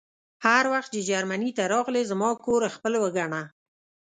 هر وخت چې جرمني ته راغلې زما کور خپل وګڼه